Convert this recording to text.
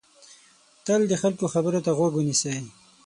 تل د خلکو خبرو ته غوږ ونیسئ.